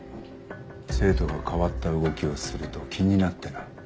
生徒が変わった動きをすると気になってな。